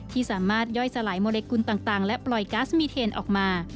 ที่สามารถย่อยสลายโมเลกุลต่างและปล่อยก๊าซมีเทนออกมา